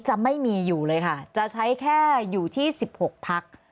จะไม่มีอยู่เลยค่ะจะใช้แค่อยู่ที่๑๖พัก